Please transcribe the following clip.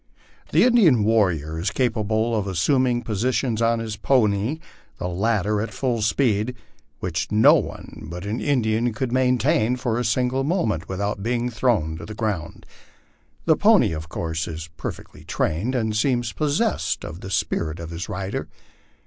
The Indian warrior is capable of assuming positions on his pony, the latter at full speed, which no one but an Indian could maintain for a single moment without being thrown to the ground. The pony, of course, is perfectly trained, and seems possessed of the spirit of his lider.